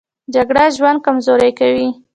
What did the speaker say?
جګړه ژوند کمزوری کوي